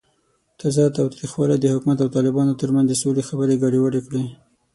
تازه تاوتریخوالی د حکومت او طالبانو ترمنځ د سولې خبرې ګډوډې کړې.